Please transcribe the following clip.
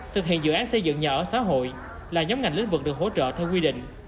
thực hiện dự án xây dựng nhà ở xã hội là nhóm ngành lĩnh vực được hỗ trợ theo quy định